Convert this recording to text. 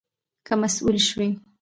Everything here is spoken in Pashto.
که مسؤول شوې